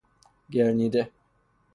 گرنیده